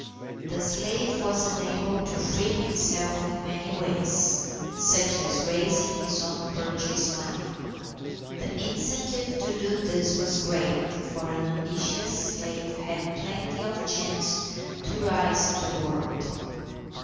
The slave was enabled to free himself in many ways, such as raising his own purchase money. The incentive to do this was great, for an ambitious slave had plenty of chance to rise in the world.